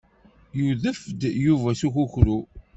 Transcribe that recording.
Yudef-d Yuba s ukukru.